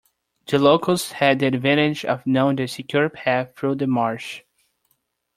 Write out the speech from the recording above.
The locals had the advantage of knowing the secure path through the marsh.